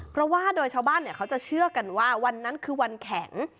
เพราะว่าโดยชาวบ้านเขาจะเชื่อกันว่าวันนั้นคือวันแข็ง